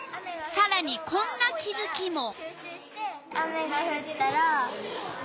さらにこんな気づきも。